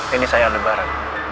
ini saya aldebaran